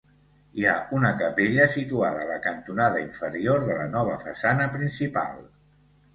Hi ha una capella situada a la cantonada inferior de la nova façana principal.